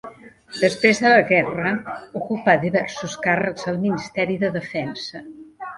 Després de la guerra ocupà diversos càrrecs al Ministeri de Defensa.